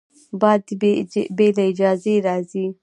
باد بې له اجازې راځي